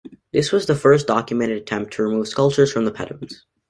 This was the first documented attempt to remove sculptures from the pediments.